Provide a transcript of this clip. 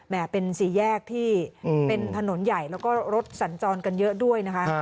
เป็นสี่แยกที่เป็นถนนใหญ่แล้วก็รถสัญจรกันเยอะด้วยนะคะ